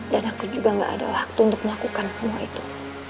dan aku juga gak ada waktu untuk melakukan semua itu